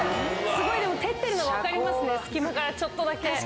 すごい照ってるの分かりますね隙間からちょっとだけ。